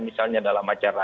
misalnya dalam acara